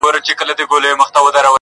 چي یې تر دار پوري د حق چیغي وهلي نه وي!.